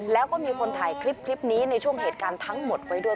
แล้วก็มีคนถ่ายคลิปนี้ในช่วงเหตุการณ์ทั้งหมดไว้ด้วย